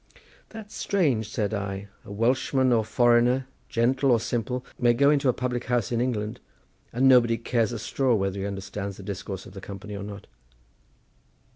"That's strange," said I; "a Welshman or foreigner, gentle or simple, may go into a public house in England, and nobody cares a straw whether he understands the discourse of the company or not."